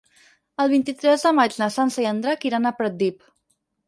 El vint-i-tres de maig na Sança i en Drac iran a Pratdip.